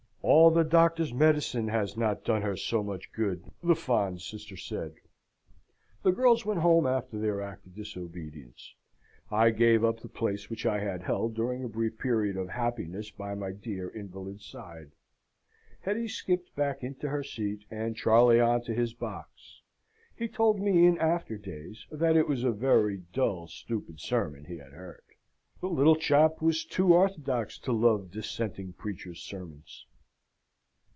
All the doctor's medicine has not done her so much good, the fond sister said. The girls went home after their act of disobedience. I gave up the place which I had held during a brief period of happiness by my dear invalid's side. Hetty skipped back into her seat, and Charley on to his box. He told me in after days, that it was a very dull, stupid sermon he had heard. The little chap was too orthodox to love dissenting preachers' sermons.